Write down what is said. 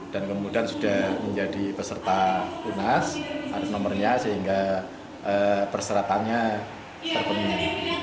dan kemudian sudah menjadi peserta unas harus nomernya sehingga persyaratannya terpenuhi